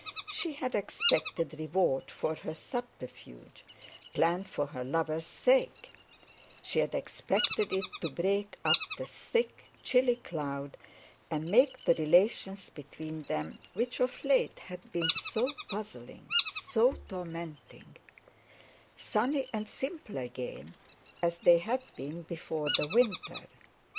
She had expected reward for her subterfuge, planned for her lover's sake; she had expected it to break up the thick, chilly cloud, and make the relations between them which of late had been so puzzling, so tormenting—sunny and simple again as they had been before the winter.